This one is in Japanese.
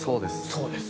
そうです。